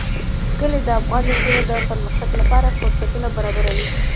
کلي د افغان نجونو د پرمختګ لپاره فرصتونه برابروي.